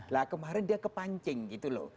lah kemarin dia kepancing gitu loh